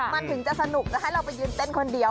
มันถึงจะสนุกจะให้เราไปยืนเต้นคนเดียว